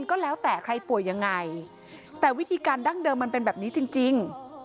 ก็แล้วแต่ใครป่วยยังไงแต่วิธีการดั้งเดิมมันเป็นแบบนี้จริง